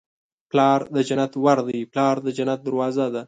پلار د جنت ور دی. پلار د جنت دروازه ده